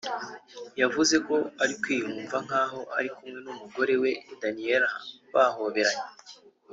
yavuze ko ari kwiyumva nk’aho ari kumwe n’umugore we Daniela bahoberanye